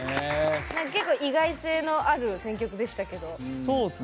結構、意外性のある選曲でしたけど。